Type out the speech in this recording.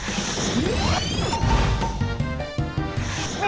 มีความรู้สึกว่า